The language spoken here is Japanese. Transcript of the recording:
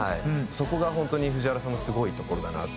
そこが本当に藤原さんのすごいところだなって。